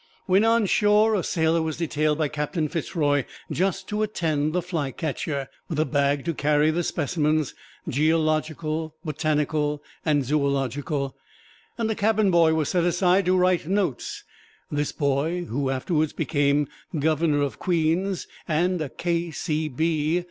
When on shore a sailor was detailed by Captain Fitz Roy just to attend the "Flycatcher," with a bag to carry the specimens, geological, botanical and zoological, and a cabin boy was set apart to write notes. This boy, who afterward became Governor of Queens and a K.C.